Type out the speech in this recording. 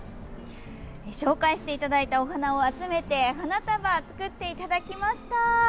紹介していただいたお花を集めて花束、作っていただきました。